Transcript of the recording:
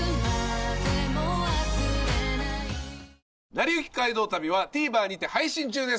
『なりゆき街道旅』はＴＶｅｒにて配信中です。